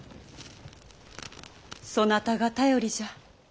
そなたが頼りじゃ。